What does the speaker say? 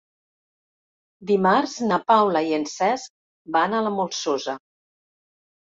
Dimarts na Paula i en Cesc van a la Molsosa.